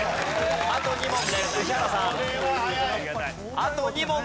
あと２問で。